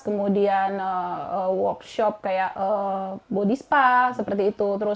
kemudian workshop kayak body spa seperti itu